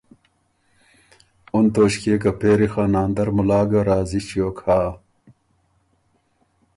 ”اُن توݭکيې که پېری خه ناندر مُلا ګه راضی ݭیوک هۀ